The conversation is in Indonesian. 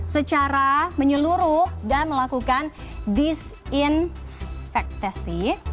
secara menyeluruh dan melakukan disinfektasi